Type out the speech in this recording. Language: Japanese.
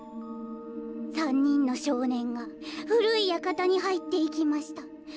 「三人の少年が古い館に入っていきました。